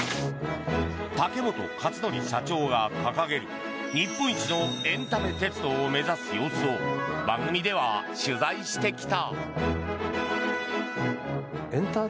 竹本勝紀社長が掲げる日本一のエンタメ鉄道を目指す様子を番組では取材してきた。